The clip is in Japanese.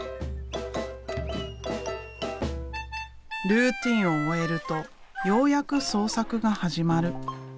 ルーティンを終えるとようやく創作が始まる。